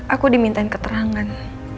aku dimintain keterangan